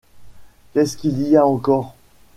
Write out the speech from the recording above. Qu'est-ce qu'il y a encore ?